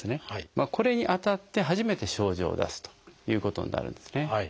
これに当たって初めて症状を出すということになるんですね。